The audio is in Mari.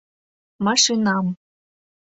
— Машинам.